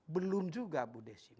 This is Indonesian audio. belum juga bu desi